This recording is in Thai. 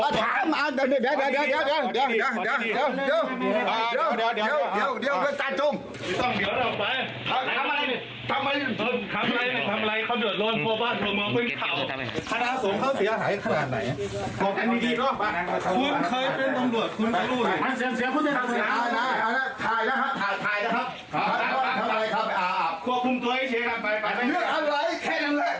วัดผู้ดูฮะ